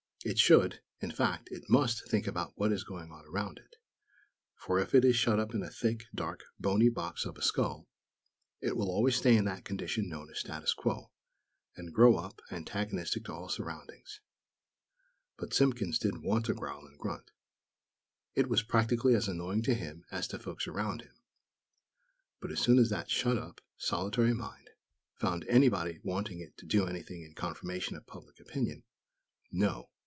It should, in fact, it must think about what is going on around it; for, if it is shut up in a thick, dark, bony box of a skull, it will always stay in that condition known as "status quo;" and grow up, antagonistic to all surroundings. But Simpkins didn't want to growl and grunt. It was practically as annoying to him as to folks around him. But, as soon as that shut up, solitary mind found anybody wanting it to do anything in confirmation of public opinion, no!